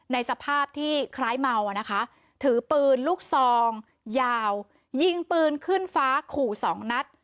ในสภาพที่คล้ายเมาอ่ะนะคะถือปืนลูกซองยาวยิงปืนขึ้นฟ้าขู่สองนัด